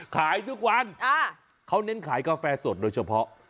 ขายทุกวันเขาเน้นขายกาแฟสดโดยเฉพาะ